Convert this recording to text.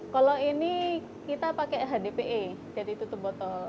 kalau ini kita pakai hdpe jadi tutup botol